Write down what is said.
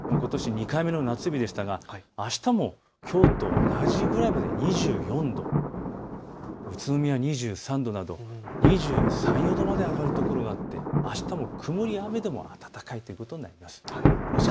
２回目の夏日でしたがあしたもきょうと同じぐらいまで、２４度、宇都宮２３度など、２３、２４度まで上がるところがあって、あしたも曇り雨でも暖かいということになります。